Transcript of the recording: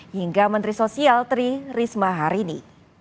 hingga menteri sosial tri risma harini